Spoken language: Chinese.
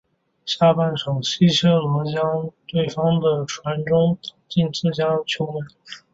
下半场西切罗将对方的传中挡进自家球门。